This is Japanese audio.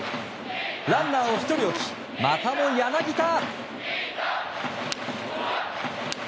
ランナーを１人置きまたも柳田。